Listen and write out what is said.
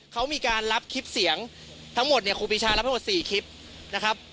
เขามีการรับคลิปเสียงทั้งหมดเนี่ยครูปีชารับทั้งหมด๔คลิปนะครับ